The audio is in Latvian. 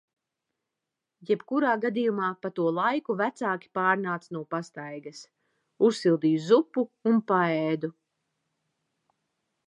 Jebkurā gadījumā pa to laiku vecāki pārnāca no pastaigas. Uzsildīju zupu un paēdu.